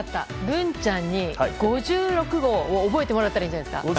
るんちゃんに５６号を覚えてもらったらいいんじゃないですか？